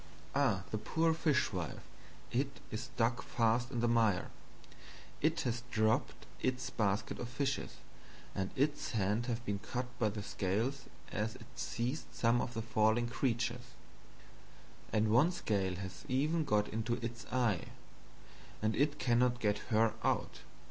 Ah the poor Fishwife, it is stuck fast in the Mire; it has dropped its Basket of Fishes; and its Hands have been cut by the Scales as it seized some of the falling Creatures; and one Scale has even got into its Eye, and it cannot get her out.